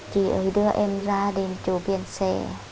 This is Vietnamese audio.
chị ấy đưa em ra đến chỗ biển xe